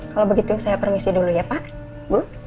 kalau begitu saya permisi dulu ya pak bu